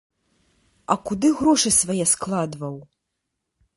А куды грошы свае складваў?